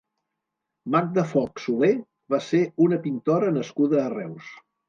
Magda Folch Solé va ser una pintora nascuda a Reus.